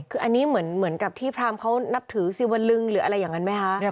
คืออันนี้เหมือนกับที่พรามเขานับถือสิวลึงหรืออะไรอย่างนั้นไหมคะ